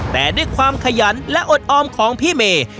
แต่ด้วยความขยันและอดออมของพี่เมย์